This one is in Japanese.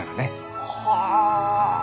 はあ